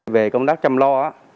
về công tác trăm lo